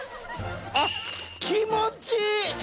あっ気持ちいい！